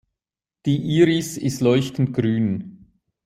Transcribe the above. Die Iris ist leuchtend grün.